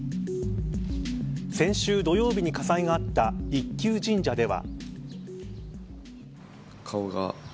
先週土曜日に火災があった一宮神社では。